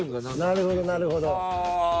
なるほどなるほど。